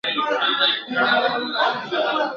کندهار د احمد شاه بابا ټاټوبی دی.